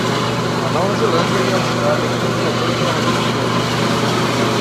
A Nova Zelândia e a Austrália temem o avanço da marinha chinesa